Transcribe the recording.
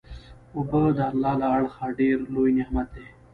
اوبه د الله له اړخه ډیر لوئ نعمت دی